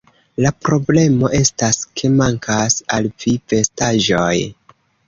La problemo estas, ke mankas al vi vestaĵoj